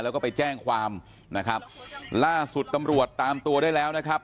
แล้วก็ไปแจ้งความนะครับล่าสุดตำรวจตามตัวได้แล้วนะครับ